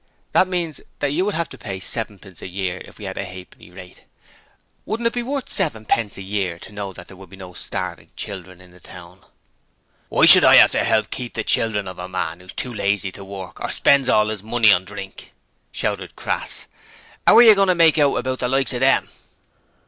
'That means that you would have to pay sevenpence per year if we had a halfpenny rate. Wouldn't it be worth sevenpence a year to you to know that there were no starving children in the town?' 'Why should I 'ave to 'elp to keep the children of a man who's too lazy to work, or spends all 'is money on drink?' shouted Crass. ''Ow are yer goin' to make out about the likes o' them?'